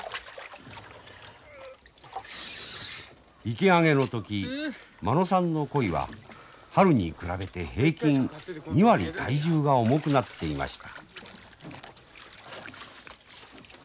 池上げの時間野さんの鯉は春に比べて平均２割体重が重くなっていました。